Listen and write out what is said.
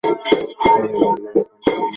তারা বলল, এখন তুমি সত্য এনেছ।